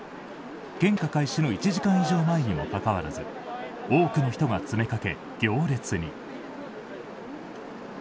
献花開始の１時間以上前にもかかわらず多くの人が詰めかけ行列に。